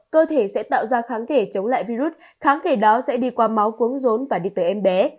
cơ thể sẽ tạo ra kháng thể chống lại virus kháng thể đó sẽ đi qua máu quấn rốn và đi tới em bé